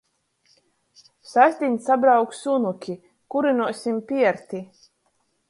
Sastdiņ sabrauks unuki, kurynuosim pierti.